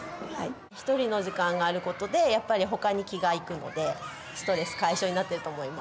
ひとりの時間があることでやっぱりほかに気が行くのでストレス解消になってると思います。